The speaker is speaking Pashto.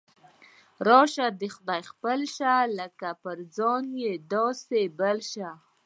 راشه د خدای خپل شه، لکه په ځان یې داسې په بل شه.